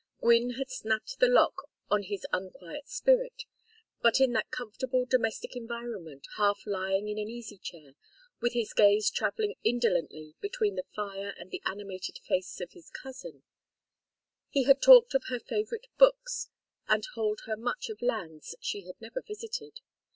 Gwynne had snapped the lock on his unquiet spirit, but in that comfortable domestic environment, half lying in an easy chair, with his gaze travelling indolently between the fire and the animated face of his cousin, he had talked of her favorite books and told her much of lands she had never visited.